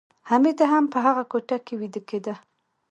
حمید هم په هغه کوټه کې ویده کېده